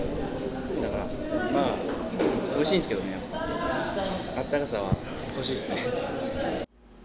だから、おいしいんですけどね、あったかさは欲しいですね。